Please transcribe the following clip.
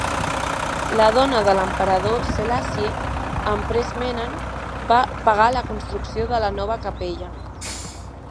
La dona de l'emperador Selassie, Empress Menen, va pagar la construcció de la nova capella.